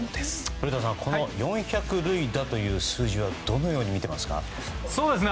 古田さん４００塁打という数字はどのように見ていますか？